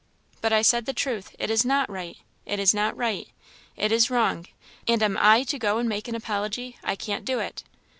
"But I said the truth it is not right! it is not right it is wrong; and am I to go and make an apology! I can't do it."